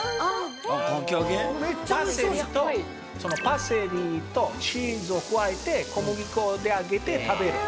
パセリとチーズを加えて小麦粉で揚げて食べる。